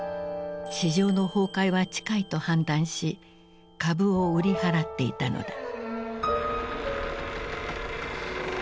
市場の崩壊は近いと判断し株を売り払っていたのだ。